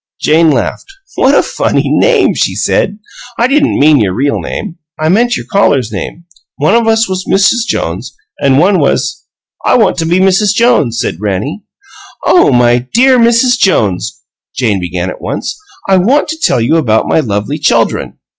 Jane laughed. "What a funny name!" she said. "I didn't mean your real name; I meant your callers' name. One of us was Mrs. Jones, and one was " "I want to be Mrs. Jones," said Rannie. "Oh, my DEAR Mrs. Jones," Jane began at once, "I want to tell you about my lovely chuldren.